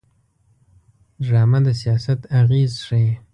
ډرامه د سیاست اغېز ښيي